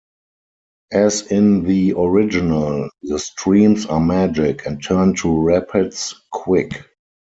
As in the original, the streams are magic, and turn to rapids quick.